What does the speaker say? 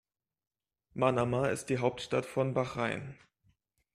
Manama ist die Hauptstadt von Bahrain.